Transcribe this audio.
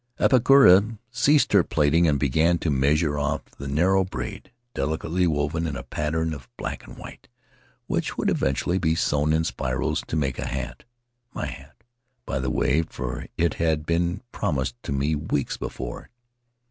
... Apakura ceased her plaiting and began to measure off the narrow braid, delicately woven in a pattern of black and white, which would eventually be sewn in spirals to make a hat — my hat, by the way, for it had been promised to me weeks before.